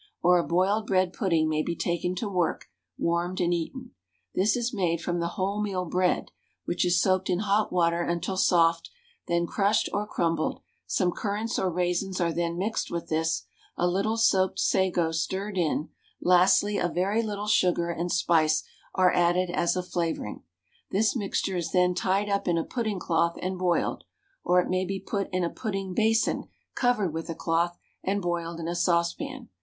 Or a boiled bread pudding may be taken to work, warmed and eaten. This is made from the wholemeal bread, which is soaked in hot water until soft, then crushed or crumbled, some currants or raisins are then mixed with this, a little soaked sago stirred in; lastly, a very little sugar and spice are added as a flavouring. This mixture is then tied up in a pudding cloth and boiled, or it may be put in a pudding basin covered with a cloth, and boiled in a saucepan.